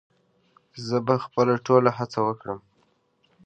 زه به خپله ټوله هڅه وکړم